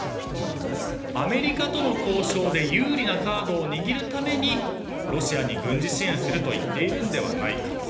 アメリカとの交渉で有利なカードを握るためにロシアに軍事支援すると言っているのではないか。